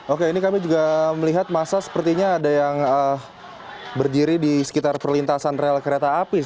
oke ini kami juga melihat masa sepertinya ada yang berdiri di sekitar perlintasan rel kereta api